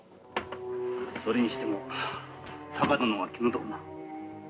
それにしてもたか殿は気の毒な。